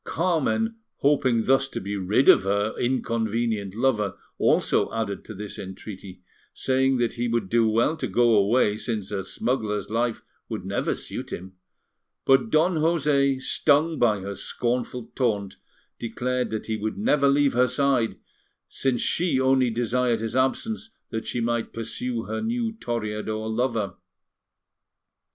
Carmen, hoping thus to be rid of her inconvenient lover, also added to this entreaty, saying that he would do well to go away, since a smuggler's life would never suit him; but Don José, stung by her scornful taunt, declared that he would never leave her side, since she only desired his absence that she might pursue her new Toreador lover.